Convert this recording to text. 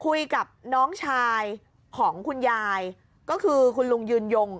คุยกับน้องชายของคุณยายก็คือคุณลุงยืนยง